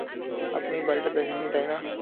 আপনি বাড়িটা দেখেননি, তাই না?